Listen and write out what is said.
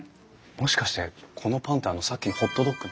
もしかしてこのパンってあのさっきのホットドッグの？